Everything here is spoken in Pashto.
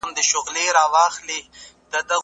آیا پوهېږئ چې انځر د معدې د قبضیت لپاره غوره درمل دي؟